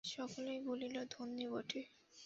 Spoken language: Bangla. সকলেই বলিল, ধন্যি বটে!